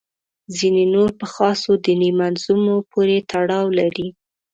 ځینې نور په خاصو دیني منظومو پورې تړاو لري.